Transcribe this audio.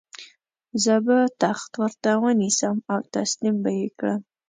زه به تخت ورته ونیسم او تسلیم به یې کړم.